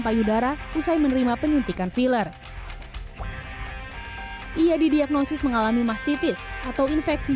payudara usai menerima penyuntikan filler ia didiagnosis mengalami mastitis atau infeksi